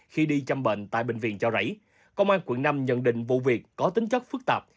khi đi chăm bệnh tại bệnh viện cho rảy công an quận năm nhận định vụ việc có tính chất phức tạp